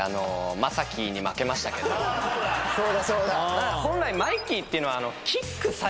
そうだそうだ。本来。